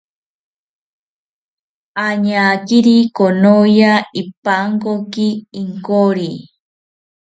Añakiri konoya ipankoki inkori